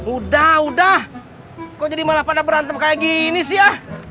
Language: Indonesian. udah udah kok jadi malah pada berantem kayak gini sih ya